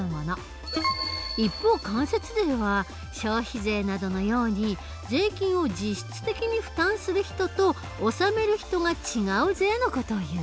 一方間接税は消費税などのように税金を実質的に負担する人と納める人が違う税の事をいう。